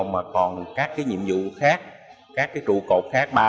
mà còn các nhiệm vụ khác các cái trụ cột khác